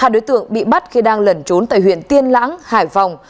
hai đối tượng bị bắt khi đang lẩn trốn tại huyện tiên lãng hải phòng